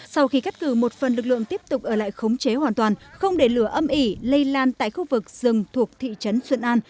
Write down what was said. sau khi cắt cử một phần lực lượng tiếp tục ở lại khống chế hoàn toàn không để lửa âm ỉ lây lan tại khu vực rừng thuộc thị trấn xuân an